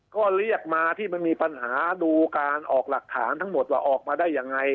ก็เรียกมาที่มันมีปัญหาดูการออกหลักฐานทั้งหมดว่าออกมาได้ยังไง